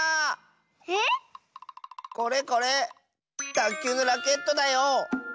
たっきゅうのラケットだよ！